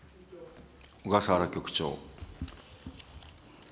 小笠原局長。